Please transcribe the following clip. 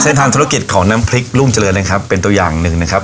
ทางธุรกิจของน้ำพริกรุ่งเจริญนะครับเป็นตัวอย่างหนึ่งนะครับ